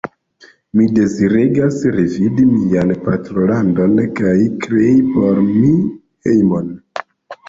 Mi deziregas revidi mian patrolandon kaj krei por mi hejmon.